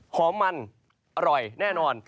หอมมันอร่อยแน่นอน